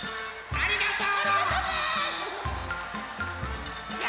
ありがとう！